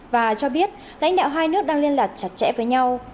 mỹ đã biết lãnh đạo hai nước đang liên lạc chặt chẽ với nhau